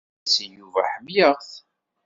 Init-as i Yuba ḥemmleɣ-t.